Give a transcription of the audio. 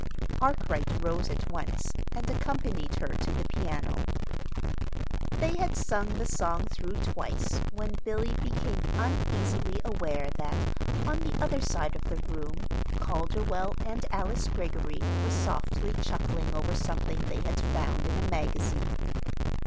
Arkwright rose at once and accompanied her to the piano. They had sung the song through twice when Billy became uneasily aware that, on the other side of the room, Calderwell and Alice Greggory were softly chuckling over something they had found in a magazine.